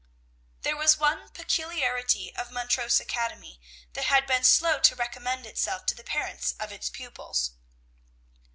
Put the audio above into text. There was one peculiarity of Montrose Academy that had been slow to recommend itself to the parents of its pupils.